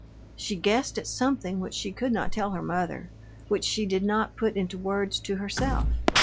She guessed at something which she could not tell her mother, which she did not put into words to herself.